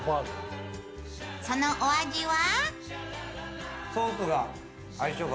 そのお味は？